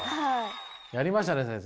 やりましたね先生。